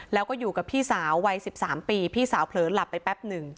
แล้วก็อยู่กับพี่สาววัย๑๓ปีพี่สาวเผลอหลับไปแป๊บหนึ่ง